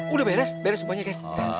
udah beres beres semuanya kan